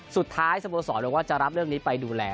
สโมสรบอกว่าจะรับเรื่องนี้ไปดูแล